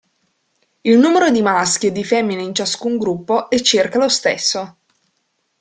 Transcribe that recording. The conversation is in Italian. Il numero di maschi e di femmine in ciascun gruppo è circa lo stesso.